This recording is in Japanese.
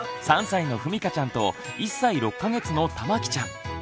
３歳のふみかちゃんと１歳６か月のたまきちゃん。